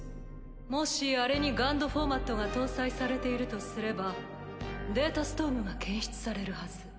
もしあれにＧＵＮＤフォーマットが搭載されているとすればデータストームが検出されるはず。